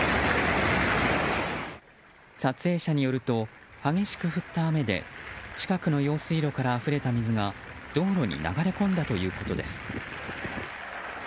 撮影者によると激しく降った雨で近くの用水路から流れた水が道路に流れ込んだということです。